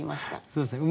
そうですね。